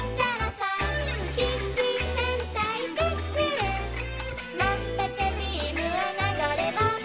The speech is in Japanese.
「キッチン戦隊クックルン」「まんぷくビームは流れ星」